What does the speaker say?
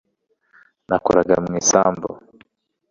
Nakoraga mu isambu